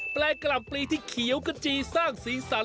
ลงกล่ำปลีที่เขียวกระจีสร้างสีสัน